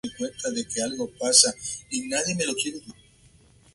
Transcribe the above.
Una notación de danza grabada que describe una danza es denominada "registro de danza".